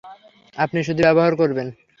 আপনি শুধু ব্যবহার করবেন।